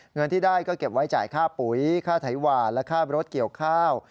เงินที่ได้ก็เก็บไว้จ่ายค่าปุ๋ยค่าไถหวานและค่ารถเกี่ยวข้าว